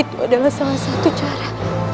itu adalah salah satu cara